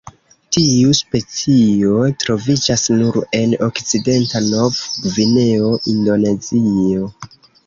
Tiu specio troviĝas nur en Okcidenta Nov-Gvineo, Indonezio.